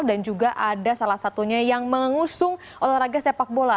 dan juga ada salah satunya yang mengusung olahraga sepak bola